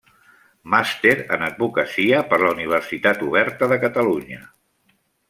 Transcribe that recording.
Màster en Advocacia per la Universitat Oberta de Catalunya.